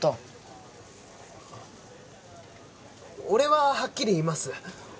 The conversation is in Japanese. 俺ははっきり言います。